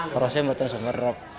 terusnya menetan semeruk